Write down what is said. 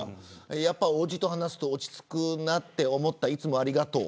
やっぱ、おぢと話すと落ち着くなって思ったいつもありがとう。